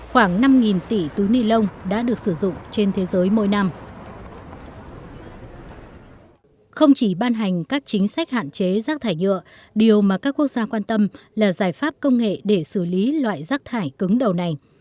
không chỉ ban hành các chính sách hạn chế rác thải nhựa điều mà các quốc gia quan tâm là giải pháp công nghệ để xử lý loại rác thải cứng đầu này